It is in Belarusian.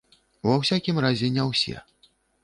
Ва ўсякім разе, не ўсе.